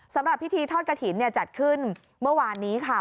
สำหรับพิธีทอดกระถิ่นจัดขึ้นเมื่อวานนี้ค่ะ